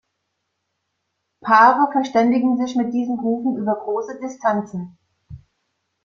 Paare verständigen sich mit diesen Rufen über große Distanzen.